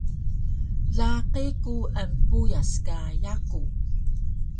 Laqi ku empuyas ka yaku